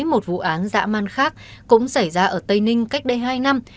một vụ án dã man khác cũng xảy ra ở tây ninh cách đây hai năm